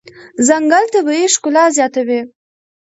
ځنګل طبیعي ښکلا زیاتوي.